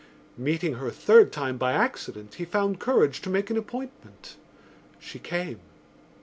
Meeting her a third time by accident he found courage to make an appointment. She came.